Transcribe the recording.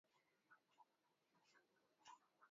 kufungua ubalozi katika mji wa begal